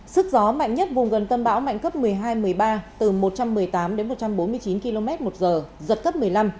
sức gió mạnh nhất vùng gần tâm bão mạnh cấp một mươi hai một mươi ba từ một trăm một mươi tám đến một trăm bốn mươi chín km một giờ giật cấp một mươi năm